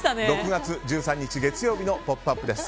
６月１３日、月曜日の「ポップＵＰ！」です。